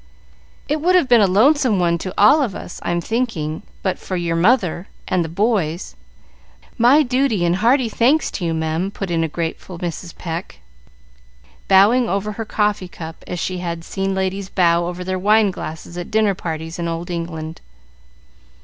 "It would have been a lonesome one to all of us, I'm thinking, but for your mother, boys. My duty and hearty thanks to you, mem," put in grateful Mrs. Pecq, bowing over her coffee cup as she had seen ladies bow over their wine glasses at dinner parties in Old England.